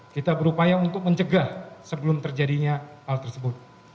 kita berupaya untuk mencegah sebelum terjadinya hal tersebut